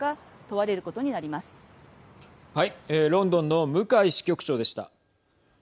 ロンドンの向井支局長でした。